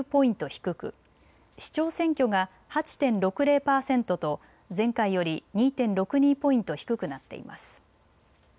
低く市長選挙が８．６０％と前回より２．６２ポイント低くなっています。